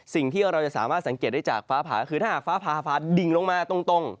สิ่งที่เราจะสามารถสังเกตได้จากฟ้าผาคือถ้าหากฟ้าผ่าฟ้าดิ่งลงมาตรง